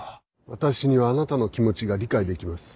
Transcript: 私にはあなたの気持ちが理解できます。